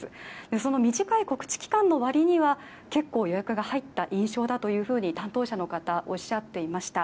その短い告知期間の割りには、結構予約が入った印象だと担当者の方、おっしゃっていました。